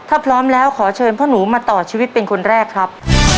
ถ้าพร้อมแล้วขอเชิญพ่อหนูมาต่อชีวิตเป็นคนแรกครับ